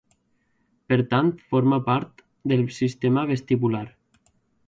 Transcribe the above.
Per tant forma part del sistema vestibular.